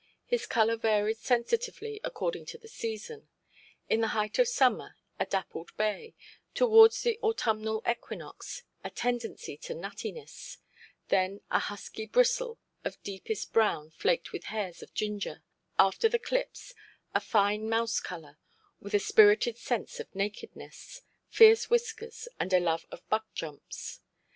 His colour varied sensitively according to the season. In the height of summer, a dappled bay; towards the autumnal equinox, a tendency to nuttiness; then a husky bristle of deepest brown flaked with hairs of ginger; after the clips a fine mouse–colour, with a spirited sense of nakedness, fierce whiskers, and a love of buck jumps.